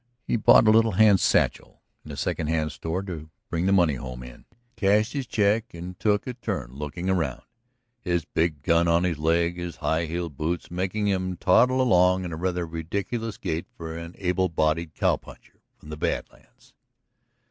He bought a little hand satchel in a second hand store to carry the money home in, cashed his check and took a turn looking around, his big gun on his leg, his high heeled boots making him toddle along in a rather ridiculous gait for an able bodied cow puncher from the Bad Lands.